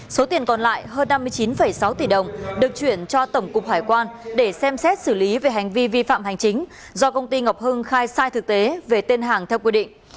số tiền còn lại hơn năm mươi chín sáu tỷ đồng được chuyển cho tổng cục hải quan để xem xét xử lý về hành vi vi phạm hành chính do công ty ngọc hưng khai sai thực tế về tên hàng theo quy định